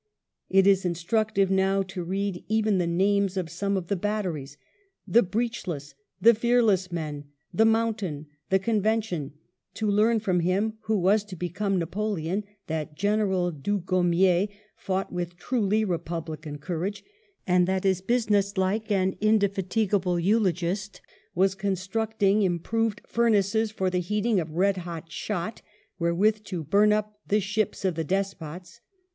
It is instructive now to read even the names of some of the batteries — the " Breechless," the "Fear less Men," the "Mountain," the "Convention" — to learn from him who was to become Napoleon, that General Dugommier fought with truly " republican " courage, and that his business like and indefatigable eulogist was con structing improved furnaces for the heating of red hot shot, wherewith to bum up " the ships of the despots."